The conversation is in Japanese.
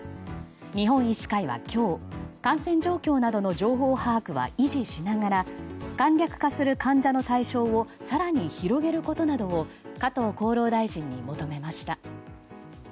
日本医師会は今日感染状況などの情報把握は維持しながら簡略化する患者の対象を更に広げることなどを加藤厚労大臣に求めました。